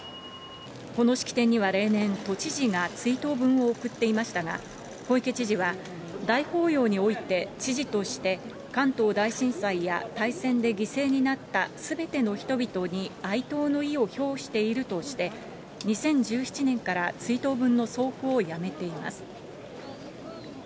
この式典には例年、都知事が追悼文を送っていましたが、小池知事は、大法要において知事として関東大震災や大戦で犠牲になったすべての人々に哀悼の意を表しているとして、２０１７年から追悼文の送付をやめています。